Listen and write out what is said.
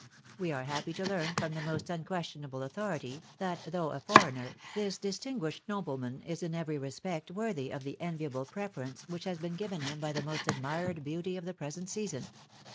We are happy to learn from the most unquestion able authority that, though a foreigner, this distinguished nobleman is in every respect worthy of the enviable preference which has been given him by the most admired beauty of the present season.